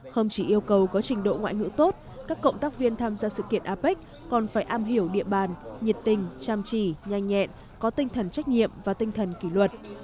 không chỉ yêu cầu có trình độ ngoại ngữ tốt các cộng tác viên tham gia sự kiện apec còn phải am hiểu địa bàn nhiệt tình chăm chỉ nhanh nhẹn có tinh thần trách nhiệm và tinh thần kỷ luật